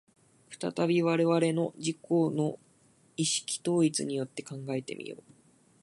再び我々の自己の意識統一によって考えて見よう。